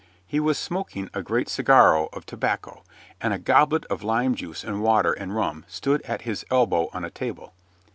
He was smoking a great cigarro of tobacco, and a goblet of lime juice and water and rum stood at his elbow on a table.